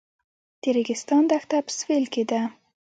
د ریګستان دښته په سویل کې ده